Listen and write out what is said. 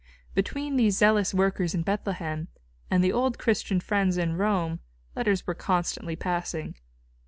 Between these zealous workers in Bethlehem and the old Christian friends in Rome letters were constantly passing.